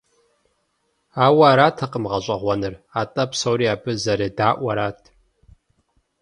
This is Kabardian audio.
Ауэ аратэкъым гъэщӀэгъуэныр, атӀэ псори абы зэредаӀуэрат.